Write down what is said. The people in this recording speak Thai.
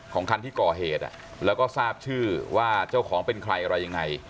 คันที่ก่อเหตุแล้วก็ทราบชื่อว่าเจ้าของเป็นใครอะไรยังไง